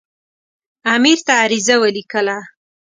امیر ته عریضه ولیکله.